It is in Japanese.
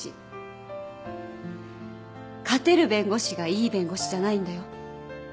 勝てる弁護士がいい弁護士じゃないんだよ。